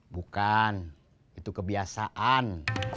bukan itu kebiasaan